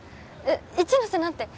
えっ一ノ瀬何て？